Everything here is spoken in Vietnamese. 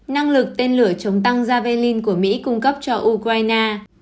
năng lực tên lửa chống tăng javelin của mỹ cung cấp cho ukraine